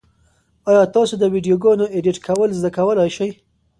ایا تاسو د ویډیوګانو ایډیټ کول زده کولای شئ؟